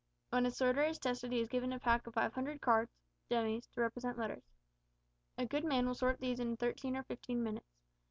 When a sorter is tested he is given a pack of five hundred cards dummies to represent letters. A good man will sort these in thirteen or fifteen minutes.